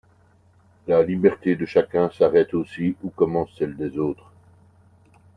La liberté de chacun s’arrête aussi où commence celle des autres.